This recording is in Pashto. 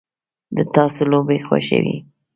د تاسو لوبې خوښوئ؟